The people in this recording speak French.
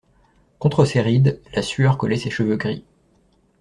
Contre ses rides, la sueur collait ses cheveux gris.